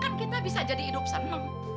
jadi milik lo kan kita bisa jadi hidup seneng